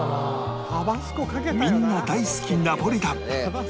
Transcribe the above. みんな大好きナポリタン